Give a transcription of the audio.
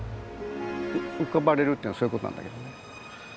「浮かばれる」っていうのはそういうことなんだけどね。